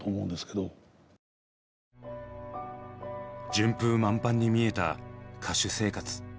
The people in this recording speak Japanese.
順風満帆に見えた歌手生活。